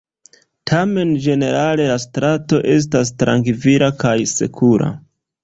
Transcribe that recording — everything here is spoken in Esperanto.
Tamen ĝenerale la strato estas trankvila kaj sekura.